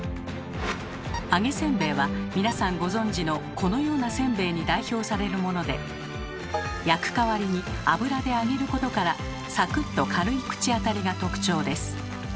揚げせんべいは皆さんご存じのこのようなせんべいに代表されるもので焼く代わりに油で揚げることからサクッと軽い口当たりが特徴です。